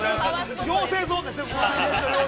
◆妖精ゾーンですね。